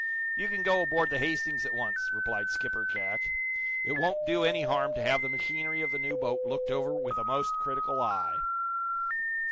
"You can go aboard the 'Hastings' at once," replied Skipper Jack. "It won't do any harm to have the machinery of the new boat looked over with a most critical eye."